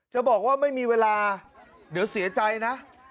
จะบอกว่าไม่มีเวลาเดี๋ยวเสียใจนะ